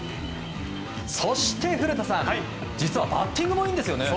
そして古田さん、実はバッティングもいいんですよね。